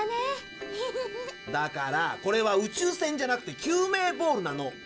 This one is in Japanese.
だからこれは宇宙船じゃなくて救命ボールなの。